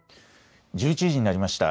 １１時になりました。